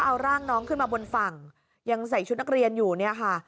เอาร่างน้องขึ้นมาบนฝั่งยังใส่ชุดนักเรียนอยู่เนี่ยค่ะ